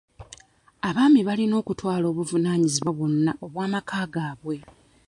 Abaami balina okutwala obuvunaanyibwa bwonna obw'amaka gaabwe.